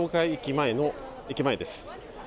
前の駅前です。